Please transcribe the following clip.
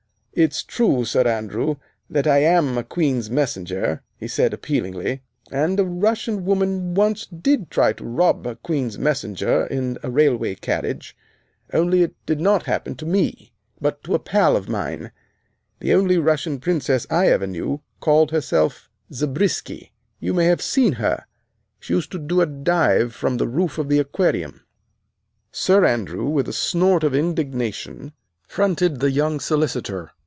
"It's true, Sir Andrew, that I am a Queen's Messenger," he said appealingly, "and a Russian woman once did try to rob a Queen's Messenger in a railway carriage only it did not happen to me, but to a pal of mine. The only Russian princess I ever knew called herself Zabrisky. You may have seen her. She used to do a dive from the roof of the Aquarium." Sir Andrew, with a snort of indignation, fronted the young Solicitor.